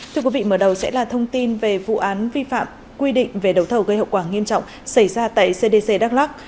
thưa quý vị mở đầu sẽ là thông tin về vụ án vi phạm quy định về đấu thầu gây hậu quả nghiêm trọng xảy ra tại cdc đắk lắc